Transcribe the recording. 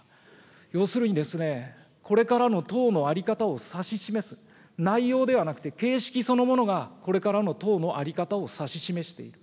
要するにですね、これからの党の在り方を指し示す、内容ではなくて形式そのものがこれからの党の在り方を指し示している。